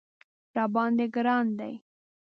راباندې ګران دی